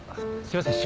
すいません。